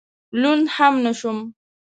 لوند هم نه شوم.